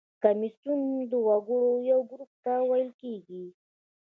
کمیسیون د وګړو یو ګروپ ته ویل کیږي.